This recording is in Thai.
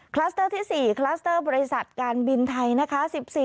คลัสเตอร์ที่๔คลัสเตอร์บริษัทการบินไทยนะคะ